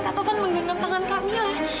katovan menggenggam tangan kamila